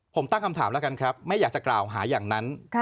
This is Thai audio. ผมตั้งคำถามแล้วกันครับไม่อยากจะกล่าวหาอย่างนั้น